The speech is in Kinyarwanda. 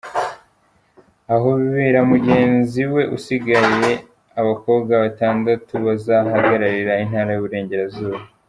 Ahobera mugenzi we usigayeAbakobwa batandatu bazahagararira Intara y'Uburengerazuba.